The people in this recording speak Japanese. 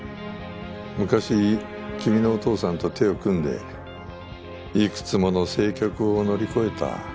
昔君のお父さんと手を組んでいくつもの政局を乗り越えた。